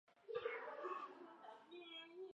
纳哈出被迫投降。